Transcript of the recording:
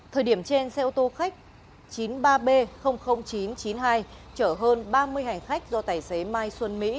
thời điểm trên xe ô tô khách chín mươi ba b chín trăm chín mươi hai chở hơn ba mươi hành khách do tài xế mai xuân mỹ